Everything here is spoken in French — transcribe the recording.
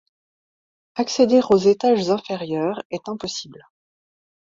Accéder aux étages inférieurs est impossible.